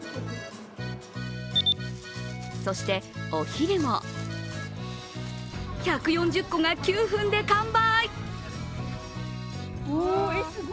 そしてお昼も１４０個が９分で完売。